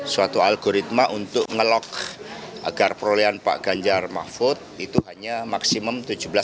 suatu algoritma untuk ngelok agar perolehan pak ganjar mahfud itu hanya maksimum tujuh belas